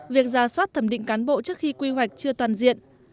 việc ra soát thẩm định cán bộ trước khi quy hoạch chưa toàn diện